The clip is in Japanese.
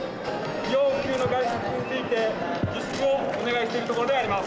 不要不急の外出について、自粛をお願いしているところであります。